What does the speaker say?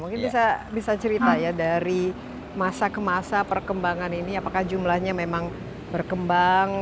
mungkin bisa cerita ya dari masa ke masa perkembangan ini apakah jumlahnya memang berkembang